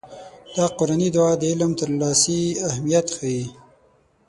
دا قرآني دعا د علم ترلاسي اهميت ښيي.